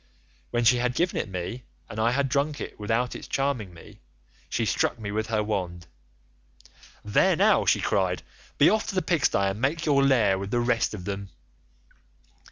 When she had given it me, and I had drunk it without its charming me, she struck me with her wand. 'There now,' she cried, 'be off to the pigstye, and make your lair with the rest of them.